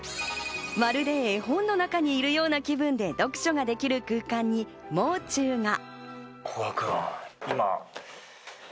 まるで絵本の中にいるような気分で読書ができる空間にもう中が。